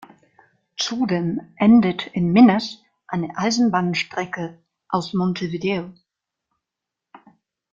Zudem endet in Minas eine Eisenbahnstrecke aus Montevideo.